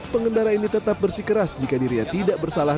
pengendara ini tetap bersih keras jika dirinya tidak bersalah